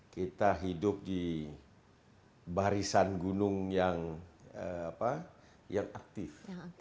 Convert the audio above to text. kita hidup di barisan gunung yang aktif